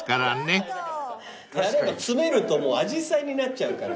詰めるとアジサイになっちゃうから。